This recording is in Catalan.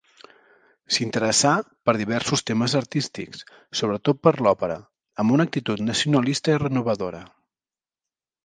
S'interessà per diversos temes artístics, sobretot per l'òpera, amb una actitud nacionalista i renovadora.